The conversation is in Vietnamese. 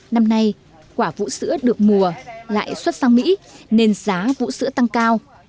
năm nay quả vũ sữa được mùa lại xuất sang mỹ nên giá vũ sữa tăng cao